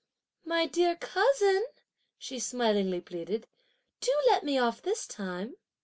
"My dear cousin," she smilingly pleaded, "do let me off this time!"